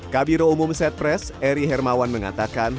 kabiro umum set pres eri hermawan mengatakan